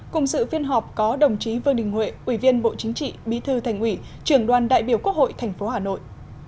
cùng sự phiên họp có đồng chí vương đình huệ ủy viên bộ chính trị bí thư thành ủy trưởng đoàn đại biểu quốc hội tp hà nội